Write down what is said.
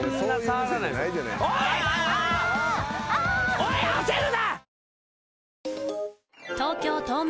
おいおい焦るな！